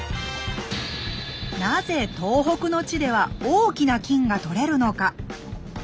なぜ東北の地では大きな金が採れるのか。